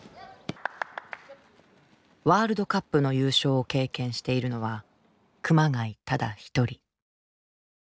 ワールドカップの優勝を経験しているのは熊谷ただ一人。